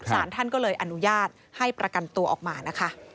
สารท่านก็เลยอนุญาตให้ประกันตัวออกมานะคะ